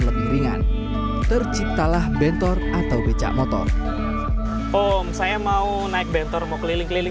lebih ringan terciptalah bentor atau becak motor om saya mau naik bentor mau keliling keliling